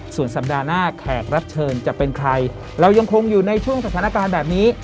ส่วนสัปดาห์หน้าแขกรับเชิญจะเป็นใครเรายังคงอยู่ในช่วงสถานการณ์แบบนี้